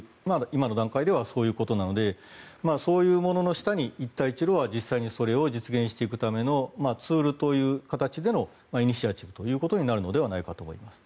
今の段階ではそういうことなのでそういうものの下に一帯一路はそれを実現するためのツールという名のイニシアチブということになるのではないかと思います。